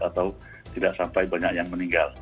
atau tidak sampai banyak yang meninggal